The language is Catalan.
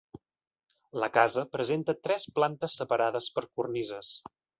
La casa presenta tres plantes separades per cornises.